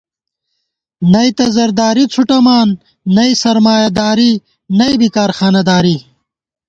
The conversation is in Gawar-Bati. نئ تہ زرداری څھُٹَمان ، نئ سرمایہ داری نئیبی کارخانہ داری